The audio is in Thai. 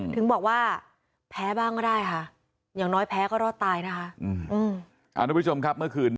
ถึงบอกว่าแพ้บ้างก็ได้ค่ะอย่างน้อยแพ้ก็รอดตายนะคะเมื่อคืน